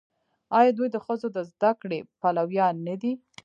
آیا دوی د ښځو د زده کړې پلویان نه دي؟